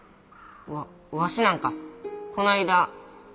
ワワシなんかこないだ